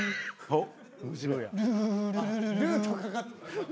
あっ！